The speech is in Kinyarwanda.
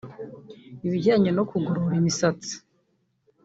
ibijyanye no kugorora imitsi